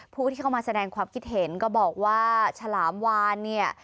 ผู้ที่เข้ามาแสดงความคิดเห็นก็บอกว่าฉลามวานเนี่ย